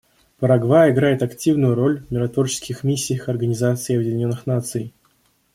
Парагвай играет активную роль в миротворческих миссиях Организации Объединенных Наций.